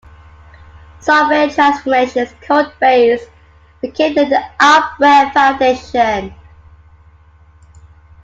Software Transformations' code base became the AppWare Foundation.